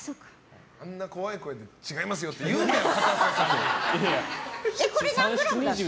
あんな怖い声で違いますよって言うなよ！